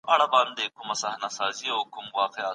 که انلاین کورس وي نو خنډ نه پیدا کیږي.